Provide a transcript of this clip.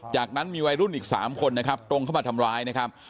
จากนั้นมีวัยรุ่นอีก๓คนนะครับตรงเข้ามาทำร้ายนะครับ